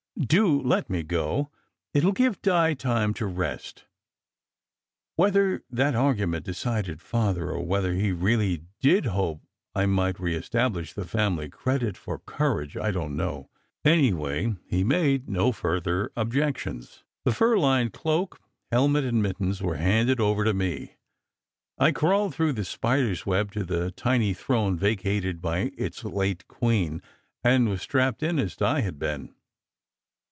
Do let me go. It will give Di time to rest." Whether that argument decided Father, or whether he really did hope I might reestablish the family credit for courage, I don t know; anyway, he made no further objec 50 SECRET HISTORY tions. The fur lined cloak, helmet, and mittens were handed over to me. I crawled through the spider s web to the tiny throne vacated by its late queen, and was strapped in as Di had been.